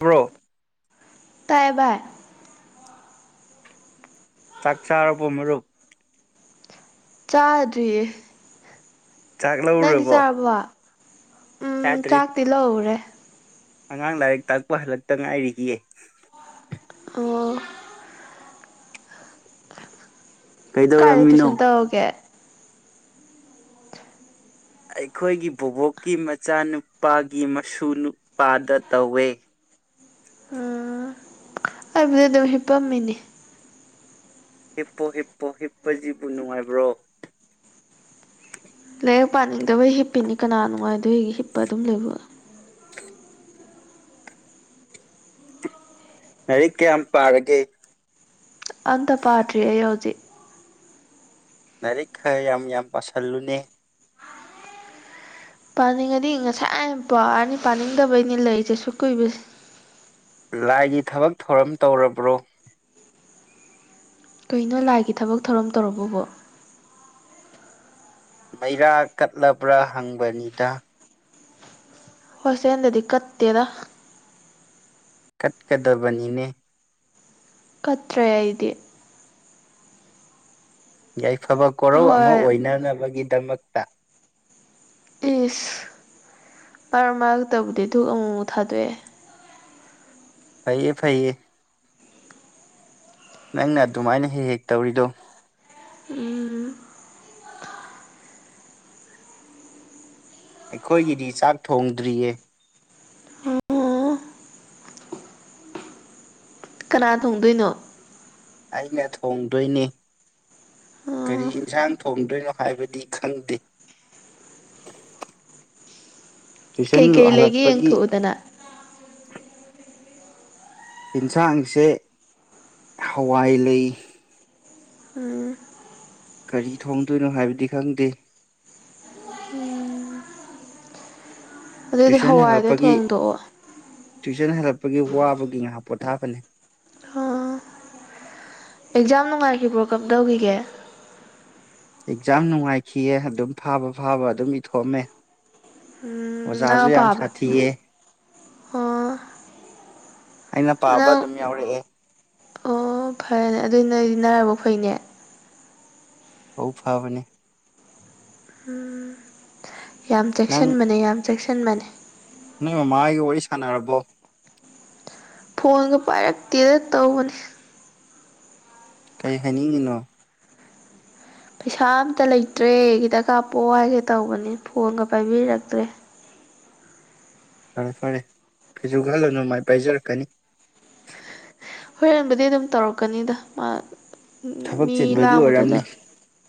Bro ꯇꯥꯏꯌ‌ꯦ ꯕꯥꯏ ꯆꯥꯛ ꯆꯥꯔꯔꯕ ꯃꯔꯨꯞ ꯆꯗ꯭ꯔꯤꯌ‌ꯦ꯫ ꯆꯥꯛ ꯅꯪꯗꯤ ꯆꯥꯔꯕꯣ꯫ ꯇꯥꯇ꯭ꯔꯤ ꯇꯤꯜꯂꯧꯔꯦ꯫ ꯑꯉꯥꯡ ꯂꯥꯏꯔꯤꯛ ꯇꯥꯛꯄ ꯍꯜꯂꯛꯇ ꯉꯥꯏꯔꯤꯏꯌꯦ꯫ ꯑꯣ ꯀꯥꯏꯗ ꯀꯩꯗꯧꯔꯝꯃꯤꯅꯣ ꯇꯨꯏꯁꯟ ꯇꯧꯒꯦ꯫ ꯑꯩꯈꯣꯏꯒꯤ ꯕꯣꯕꯣꯛꯀꯤ ꯃꯆꯥꯅꯨꯄꯥꯒꯤ ꯃꯁꯨ ꯅꯨꯄꯥꯗ ꯇꯧꯋꯦ꯫ ꯍꯥꯏꯕꯗꯤ ꯑꯗꯨꯝ ꯍꯤꯞꯄꯝꯃꯤꯅꯤ꯫ ꯍꯤꯞꯄꯣ ꯍꯤꯞꯄꯣ ꯍꯤꯞꯄꯁꯤꯕꯨ ꯅꯨꯡꯉꯥꯏꯕ꯭ꯔꯣ ꯂꯥꯏꯔꯤꯛ ꯄꯥꯅꯤꯡꯗꯕꯩ ꯍꯤꯞꯄꯤꯅꯤ ꯀꯅꯥ ꯅꯨꯡꯉꯥꯏ ꯗꫭꯏꯒ‌ꯦ ꯍꯤꯞꯄ ꯑꯗꯨꯝ ꯂꯩꯕꫭ꯫ ꯂꯥꯏꯔꯤꯛ ꯀꯌꯥꯝ ꯄꯥꯔꯒꯦ꯫ ꯑꯝꯇ ꯄꯥꯗ꯭ꯔꯤ ꯑꯩ ꯍꯧꯖꯤꯛ꯫ ꯂꯥꯏꯔꯤꯛ ꯈꯔ ꯌꯥꯝ ꯌꯥꯝ ꯄꯥꯁꯤꯜꯂꯨꯅꯦ꯫ ꯄꯥꯅꯤꯡꯉꯗꯤ ꯉꯁꯥꯏ ꯌꯥꯝ ꯄꯥꯔꯅꯤ ꯄꯥꯅꯤꯡꯗꯕꯩꯅꯤ ꯂꯩꯔꯤꯁꯦ ꯁꯨ ꯀꯨꯏꯕꯁꯦ ꯂꯥꯏꯒꯤ ꯊꯕꯛ ꯊꯧꯔꯝ ꯇꯧꯔꯕ꯭ꯔꯣ ꯀꯩꯅꯣ ꯂꯥꯏꯒꯤ ꯊꯕꯛ ꯊꯧꯔꯝ ꯇꯧꯔꯕꯕꯣ ꯃꯩꯔꯥ ꯀꯠꯂꯕ꯭ꯔꯥ ꯍꯪꯕꯅꯤꯗ꯫ ꯍꯣꯠꯁꯦꯜꯗꯗꯤ ꯀꯠꯇꯦꯗ ꯀꯠꯀꯗꯕꯅꯤꯅꯦ ꯀꯠꯇ꯭ꯔꯦ ꯍꯥꯏꯗꯤ ꯌꯥꯏꯐꯕ ꯀꯣꯔꯧ ꯑꯃ ꯍꯣꯏ ꯑꯣꯏꯅꯅꯕꯒꯤꯗꯃꯛ꯫ ꯏꯁ ꯃꯔ ꯃꯔꯔꯛꯇꯕꯨꯗꯤ ꯗꯨꯨ ꯑꯃꯨꯛꯃꯨꯛ ꯊꯥꯗꯣꯛꯑꯦ ꯐꯩꯌꯦ ꯐꯩꯌꯦ ꯅꯪꯅ ꯑꯗꯨꯃꯥꯏꯅ ꯍꯦꯛ ꯍꯦꯛ ꯇꯧꯔꯤꯗꯣ ꯎꯝ ꯑꯩꯈꯣꯏꯒꯤꯗꯤ ꯆꯥꯛ ꯊꯣꯡꯗ꯭ꯔꯤꯌꯦ꯫ ꯑꯣ ꯀꯅꯥ ꯊꯣꯡꯗꯣꯏꯅꯣ꯫ ꯑꯩꯅ ꯊꯣꯡꯗꯣꯏꯅ‌ꯦ꯫ ꯀꯔꯤ ꯑꯣ ꯌꯦꯟꯁꯥꯡ ꯊꯣꯡꯗꯣꯏꯅꯣ ꯍꯥꯏꯕꯗꯤ ꯈꯪꯗꯦ ꯇꯨꯏꯁꯟ ꯀꯩꯀꯩ ꯂꯩꯒꯦ ꯍꯜꯂꯛꯄꯒꯤ ꯌꯦꯡꯊꯣꯛꯎꯗꯅ ꯌꯦꯟꯁꯥꯡꯁꯦ ꯍꯋꯥꯏ ꯂꯩ꯫ ꯎꯝ꯫ ꯀꯔꯤ ꯊꯣꯡꯗꯣꯏꯅꯣ ꯍꯥꯏꯕꯗꯤ ꯈꯪꯗꯦ꯫ ꯑꯗꯨꯗꯤ ꯇꯨꯏꯁꯟ ꯍꯋꯥꯏꯗꯣ ꯍꯜꯂꯛꯄꯒꯤ ꯊꯣꯡꯗꯣꯛꯑꯣ ꯇꯨꯏꯁꯟ ꯍꯜꯂꯛꯄꯒꯤ ꯋꯥꯕꯒꯤ ꯉꯥꯏꯍꯥꯛ ꯄꯣꯊꯥꯕꯅꯦ ꯑꯣ ꯑꯦꯛꯖꯥꯝ ꯅꯨꯡꯉꯥꯏꯈꯤꯕ ꯕ꯭ꯔꯣ ꯀꯞ ꯇꯧꯈꯤꯒꯦ ꯑꯦꯛꯖꯥꯝ ꯅꯨꯡꯉꯥꯏꯈꯤꯌ‌ꯦ ꯑꯗꯨꯝ ꯐꯥꯕ ꯐꯥꯕ ꯑꯗꯨꯝ ꯏꯊꯣꯛꯑꯝꯃꯦ꯫ ꯎꯝ ꯑꯣꯖꯥꯖꯨ ꯅꯪ ꯌꯥꯝ ꯄꯥꯕ ꯁꯥꯊꯤꯦ ꯑꯣ ꯑꯩꯅ ꯄꯥꯕ ꯅꯪ ꯑꯗꯨꯝ ꯌꯥꯎꯔꯛꯑꯦ ꯑꯣ ꯐꯔꯦꯅꯦ ꯑꯗꯨꯏ ꯅꯗꯤ ꯅꯥꯔꯕ ꯐꯩꯅꯦ ꯑꯧ ꯐꯕꯅꯦ ꯎꯝ ꯌꯥꯝ ꯆꯦꯛꯁꯟꯕꯅꯦ ꯌꯥꯝ ꯆꯦꯛꯁꯟꯕꯅꯦ ꯅꫭꯏ ꯃꯃꯥ ꯍꫭꯏꯒ ꯋꯥꯔꯤ ꯁꯥꯟꯅꯔꯕꯣ ꯐꯣꯟꯗꫭ ꯄꯥꯏꯔꯛꯇꯦꯗ ꯇꯧꯕꯅꯤ ꯀꯩ ꯍꯥꯏꯅꯤꯡꯉꯤꯅꯣ ꯄꯩꯁꯥ ꯑꯝꯇ ꯂꯩꯇ꯭ꯔꯦ ꯈꯤꯇ ꯀꯥꯞꯄꯛꯑꯣ ꯍꯥꯏꯒꯦ ꯇꯧꯕꯅꯤ ꯐꯣꯟꯒ ꯄꯥꯏꯕꯤꯔꯛꯇ꯭ꯔꯦ ꯐꯔꯦ ꯐꯔꯦ ꯀꯩꯁꯨ ꯈꯜꯂꯨꯅꯨ ꯃꯥꯏ ꯄꯥꯏꯖꯔꯛꯀꯅꯤ ꯍꯣꯔꯦꯟꯕꯨꯗꯤ ꯑꯗꯨꯝ ꯇꯧꯔꯛꯀꯅꯤꯗ ꯃꯥ ꯊꯕꯛ ꯃꯤ ꯆꯤꯟꯕꯒꯤ ꯂꯥꯡꯕꯗꯨꯗ ꯑꯣꯏꯔꯝꯅꯤ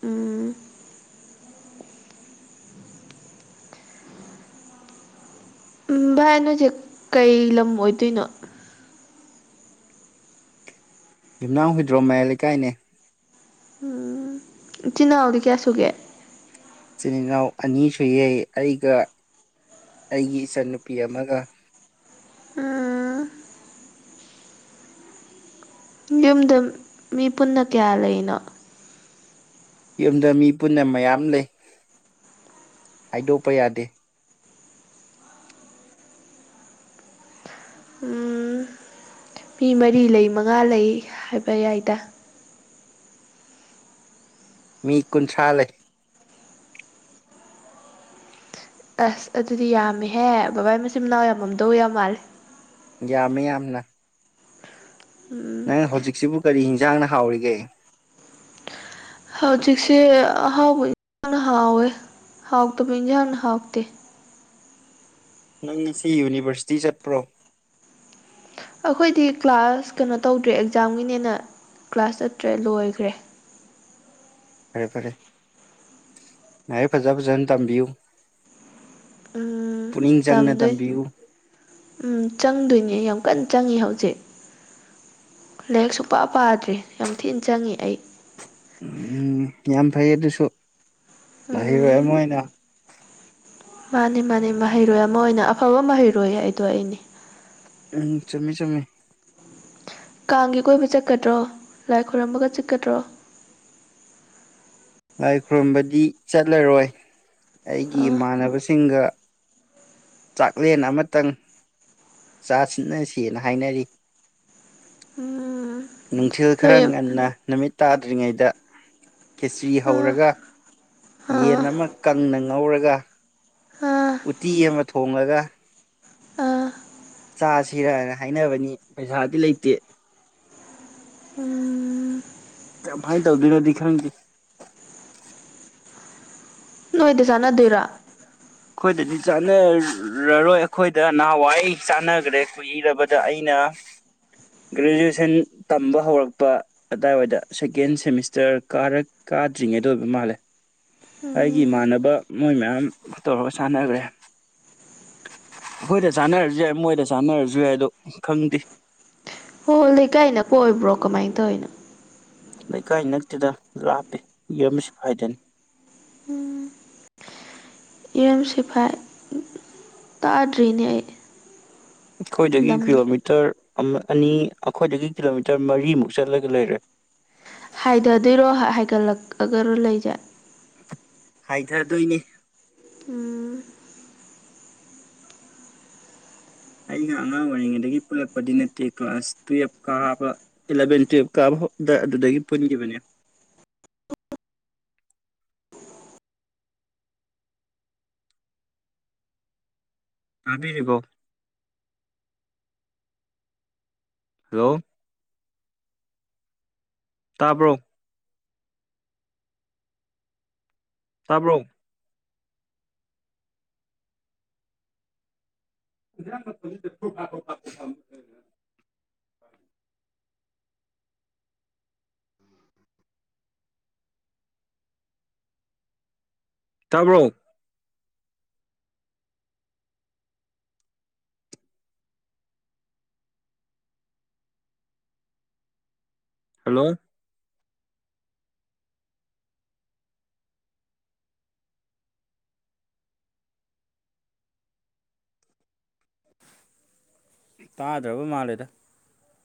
ꯎꯝ ꯚꯥꯏ ꯑꯗꯨꯗꯤ ꯀꯩ ꯂꯝ ꯑꯣꯏꯗꯣꯏꯅꯣ ꯌꯨꯝꯅꯥꯝ ꯍꯨꯏꯗ꯭ꯔꯣ ꯃꯌꯥꯏ ꯂꯩꯀꯥꯏꯅꯦ꯫ ꯏꯆꯤꯜ ꯏꯅꯥꯎꯗꯤ ꯀꯌꯥ ꯁꯨꯒꯦ ꯏꯆꯤꯟ ꯏꯅꯥꯎ ꯑꯅꯤꯁꯨ ꯌꯦꯏ ꯑꯩꯒ ꯑꯩꯒꯤ ꯏꯆꯟꯅꯨꯄꯤ ꯑꯃꯒ꯫ ꯎꯝ ꯌꯨꯝꯗ ꯃꯤ ꯄꯨꯟꯅ ꯀꯌꯥ ꯂꯩꯔꯤꯅꯣ ꯌꯨꯝꯗ ꯃꯤ ꯄꯨꯟꯅ ꯃꯌꯥꯝ ꯂꯩ ꯍꯥꯏꯗꯣꯛꯄ ꯌꯥꯗꯦ꯫ ꯎꯝ ꯃꯤ ꯃꯔꯤ ꯂꯩ ꯃꯉꯥ ꯂꯩ ꯍꯥꯏꯕ ꯌꯥꯏꯗ꯫ ꯃꯤ ꯀꯨꯟꯊ꯭ꯔꯥ ꯂꯩ ꯑꯁ ꯑꯗꯨꯗꯤ ꯌꯥꯝꯃꯦꯍꯦ ꯕꯕꯥ ꯃꯆꯤꯟ ꯃꯅꯥꯎ ꯌꯥꯝꯃꯝꯗꯧ ꯌꯥꯝ ꯃꯥꯜꯂꯦ꯫ ꯌꯥꯝꯃ‌ꯦ ꯌꯥꯝꯅ꯫ ꯎꯝ ꯅꯪ ꯍꯧꯖꯤꯛꯁꯤꯕꯨ ꯀꯔꯤ ꯏꯟꯖꯥꯡꯅ ꯍꯥꯎꯔꯤꯒꯦ ꯍꯧꯖꯤꯛꯁꯦ ꯑꯍꯥꯎꯕ ꯏꯟꯅ ꯍꯥꯎꯋꯦ ꯍꯥꯎꯇꯕ ꯏꯟꯖꯥꯟꯅ ꯍꯥꯎꯇꯦ ꯅꯪ ꯉꯁꯤ ꯌꯨꯅꯤꯚꯔꯁꯤꯇꯤ ꯆꯠꯄ꯭ꯔꯣ ꯑꯩꯈꯣꯏꯗꯤ ꯀ꯭ꯂꯥꯁ ꯀꯩꯅꯣ ꯇꯧꯗ꯭ꯔꯦ ꯑꯦꯛꯖꯥꯝꯒꯤꯅꯦꯅ ꯀ꯭ꯂꯥꯁ ꯆꯠꯇ꯭ꯔꯦ ꯂꯣꯏꯈ꯭ꯔꯦ ꯐꯔꯦ ꯐꯔꯦ ꯂꯥꯏꯔꯤꯛ ꯐꯖꯟ ꯐꯖꯟ ꯇꯝꯕꯤꯌꯨ ꯎꯝ ꯄꯨꯛꯅꯤꯡ ꯆꯪꯅ ꯇꯝꯗꯣꯏ ꯇꯝꯕꯤꯌꯨ ꯎꯝ ꯆꯪꯗꯣꯏꯅꯦ ꯌꯥꯝ ꯀꯟ ꯆꯪꯉꯤ ꯍꯧꯖꯤꯛ ꯂꯥꯏꯔꯤꯛ ꯁꯨꯄꯥ ꯄꯥꯗ꯭ꯔꯦ ꯌꯥꯝ ꯊꯤꯅ ꯆꯪꯉꯤ ꯑꯩ ꯎꯝ ꯌꯥꯝ ꯐꯩ ꯑꯗꯨꯁꯨ ꯃꯍꯩꯔꯣꯏ ꯎꯝ ꯑꯃ ꯑꯣꯏꯅ ꯃꯥꯅꯦ ꯃꯥꯅꯤ ꯃꯍꯩꯔꯣꯏ ꯑꯃ ꯑꯣꯏꯅ ꯑꯐꯕ ꯃꯍꯩꯔꯣꯏ ꯍꯥꯏꯗꯣ ꯑꯩꯅꯦ ꯎꯝ ꯆꯨꯝꯃꯤ ꯆꯨꯝꯃꯤ ꯀꯥꯡꯒꯤ ꯀꯣꯏꯕ ꯆꯠꯀꯗ꯭ꯔꯣ ꯂꯥꯏ ꯈꯣꯏꯔꯝꯕꯒ ꯆꯠꯀꯗ꯭ꯔꯣ ꯂꯥꯏ ꯈꯨꯔꯨꯝꯕꯗꯤ ꯆꯠꯂꯔꯣꯏ ꯑꯩꯒꯤ ꯑꯥ ꯏꯃꯥꯟꯅꯕꯁꯤꯡꯒ ꯆꯥꯛꯂꯦꯟ ꯑꯃꯇꯪ ꯆꯥ ꯁꯤꯟꯅꯁꯦꯅ ꯍꯥꯏꯅꯔꯤ ꯎꯝ ꯅꯨꯡꯊꯤꯜ ꯈꯔ ꯅꯣꯏ ꯉꯟꯅ ꯅꯨꯃꯤꯠ ꯇꯥꯗ꯭ꯔꯤꯉꯩꯗ ꯈꯦꯆ꯭ꯔꯤ ꯑꯥ ꯍꯧꯔꯒ ꯌꯦꯟ ꯑꯥ ꯑꯃ ꯀꯪꯅ ꯉꯧꯔꯒ ꯑꯥ ꯎꯇꯤ ꯑꯃ ꯊꯣꯉꯒ ꯑꯥ ꯆꯥ ꯁꯤꯔꯅ ꯍꯥꯏꯅꯕꯅꯤ ꯄꯩꯁꯥꯗꯤ ꯂꯩꯇꯦ ꯎꯝ ꯀꯃꯥꯟ ꯇꯧꯗꫭꯏꯅꫭꯗꯤ ꯈꯪꯗ‌ꯦ ꯅꯣꯏꯗ ꯆꯥꯟꯅꯗꯣꯏꯔꯥ ꯑꯩꯈꯣꯏꯗꯗꯤ ꯆꯥꯟꯅꯔꯔꯣꯏ ꯑꯩꯈꯣꯏꯗ ꯅꯍꯥꯟꯋꯥꯏ ꯆꯥꯟꯅꯈ꯭ꯔꯦ ꯀꯨꯏꯔꯕꯗ ꯑꯩꯅ ꯒ꯭ꯔꯦꯖꯨꯑꯦꯁꯟ ꯇꯝꯕ ꯍꯧꯔꯛꯄ ꯑꯗꯥꯋꯥꯏꯗ ꯁꯦꯀꯦꯟ ꯁꯦꯃꯤꯁꯇꯔ ꯀꯔ ꯀꯥꯗ꯭ꯔꯤꯉꯩꯗ ꯑꯣꯏꯕ ꯃꯥꯜꯂꯦ ꯑꯩꯒꯤ ꯎꯝ ꯏꯃꯥꯟꯅꯕ ꯃꯣꯏ ꯃꯌꯥꯝ ꯇꯧꯔꯒ ꯆꯥꯟꯅꯈ꯭ꯔꯦ ꯑꯩꯈꯣꯏꯗ ꯆꯥꯟꯅꯔꯖꯨ ꯌꯥꯏ ꯃꯣꯏꯗ ꯆꯥꯟꯅꯔꯖꯨ ꯌꯥꯏ ꯑꯗꯣ ꯈꯪꯗꯦ ꯑꯣ ꯂꯩꯀꯥꯏ ꯅꯛꯄ ꯑꯣꯏꯕ꯭ꯔꯣ ꯀꯃꯥꯏ ꯇꯧꯔꯤꯅꯣ ꯂꯩꯀꯥꯏ ꯅꯛꯇꯗ ꯂꯥꯞꯄꯦ ꯌꯨꯝꯁꯤ ꯐꯥꯏꯗꯅꯤ ꯌꯨꯝ ꯁꯤꯐꯥꯏ ꯇꯥꯗ꯭ꯔꯤꯅꯦ ꯑꯩ ꯑꯩꯈꯣꯏꯗꯒꯤ ꯂꯝꯗꯣ ꯀꯤꯂꯣꯃꯤꯇꯔ ꯑꯃ ꯑꯅꯤ ꯑꯩꯈꯣꯏꯗꯒꯤ ꯀꯤꯂꯣꯃꯤꯇꯔ ꯃꯔꯤꯃꯨꯛ ꯆꯠꯂꯒ ꯂꯩꯔꯦ ꯍꯥꯏꯗꯗꯣꯏꯔꯣ ꯍꯥꯏꯒꯠꯂꯛꯑꯒꯔꯣ ꯂꯩꯖꯦ ꯍꯥꯏꯗ ꯗꯣꯏꯅꯤ ꯎꯝ ꯑꯩꯒ ꯑꯉꯥꯡ ꯑꯣꯏꯔꯤꯉꯩꯗꯒꯤ ꯄꯨꯜꯂꯛꯄꯗꯤ ꯅꯠꯇꯦ ꯀ꯭ꯂꯥꯁ ꯇꯨꯌꯦꯜꯐꯀ ꯀꯥꯕꯥ ꯏꯂꯚꯦꯟ ꯇꯨꯌꯦꯜꯞ ꯀꯥꯕ ꯑꯗꯨꯗꯒꯤ ꯄꯨꯟꯈꯤꯕꯅꯦ ꯇꯥꯕꯤꯔꯤꯕꯣ ꯍꯜꯂꯣ ꯇꯥꯕ꯭ꯔꯣ ꯇꯥꯕ꯭ꯔꯣ [inaudible] ꯎꯝ [unintelligible] ꯇꯥꯕ꯭ꯔꯣ ꯍꯜꯂꯣ ꯇꯥꯗ꯭ꯔꯕ ꯃꯥꯜꯂꯦꯗ